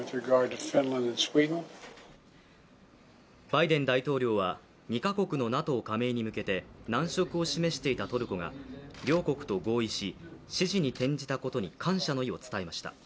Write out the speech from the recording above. バイデン大統領は２カ国のＮＡＴＯ加盟に向けて難色を示していたトルコが両国と合意し支持に転じたことに感謝の意を示しました。